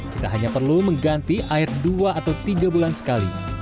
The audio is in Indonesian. kita hanya perlu mengganti air dua atau tiga bulan sekali